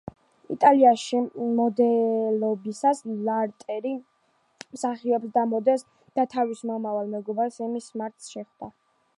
იტალიაში მოდელობისას, ლარტერი მსახიობს და მოდელს, და თავის მომავალ მეგობარს, ემი სმარტს შეხვდა.